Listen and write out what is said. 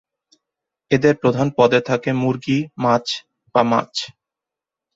এদের প্রধান পদে থাকে মুরগী, মাছ বা মাছ।